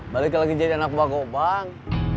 balik lagi jadi anak wakobang